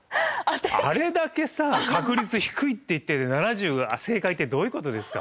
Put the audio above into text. あれだけさ「確率低い」って言ってて７０が正解ってどういうことですか？